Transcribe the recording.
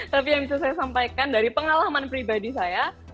tapi yang bisa saya sampaikan dari pengalaman pribadi saya